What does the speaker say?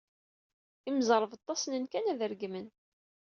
Imẓerbeḍḍa ssnen kan ad regmen.